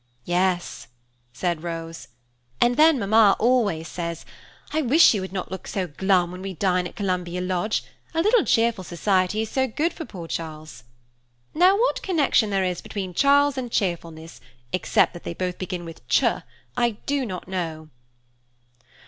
"Yes," said Rose, and then Mamma always says, 'I wish you would not look so glum when we dine at Columbia Lodge, a little cheerful society is so good for poor Charles.' Now what connection there is between Charles and cheerfulness, except that they both begin with Ch, I do not know."